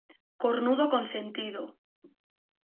cornudo Consentido.